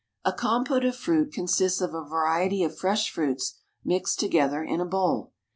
A compote of fruit consists of a variety of fresh fruits mixed together in a bowl.